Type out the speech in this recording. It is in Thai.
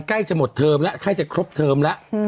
ใกล้จะหมดเทอมแล้วใกล้จะครบเทอมแล้ว